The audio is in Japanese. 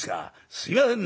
すいませんね』